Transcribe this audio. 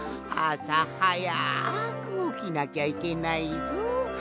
あさはやくおきなきゃいけないぞ。